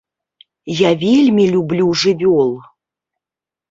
Я вельмі люблю жывёл.